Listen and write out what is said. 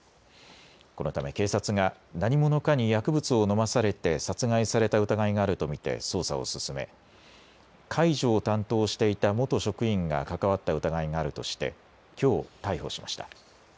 このため警察が何者かに薬物を飲まされて殺害された疑いがあると見て捜査を進め介助を担当していた元職員が関わった疑いがあるとしてきょう逮捕しました。